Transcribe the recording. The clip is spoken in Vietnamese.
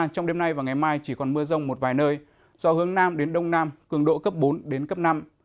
trong đêm nay và ngày mai chỉ còn mưa rông một vài nơi do hướng nam đến đông nam cường độ cấp bốn đến cấp năm